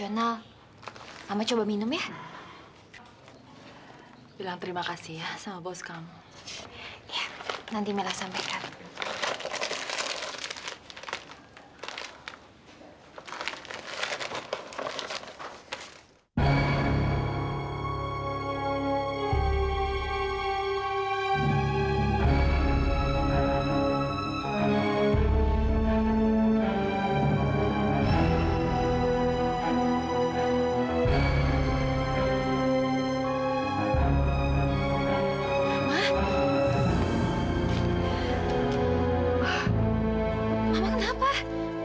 malah ibu aku diperhatikan seingat kata kata ibu farr